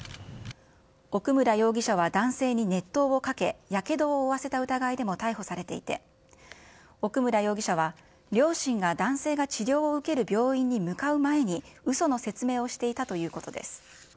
奥村容疑者は男性に熱湯をかけ、やけどを負わせた疑いでも逮捕されていて、奥村容疑者は、両親が男性が治療を受ける病院に向かう前に、うその説明をしていたということです。